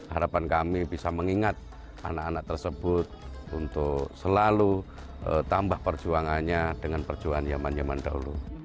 harapan kami bisa mengingat anak anak tersebut untuk selalu tambah perjuangannya dengan perjuangan zaman dahulu